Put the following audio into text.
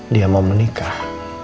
dia mau menikah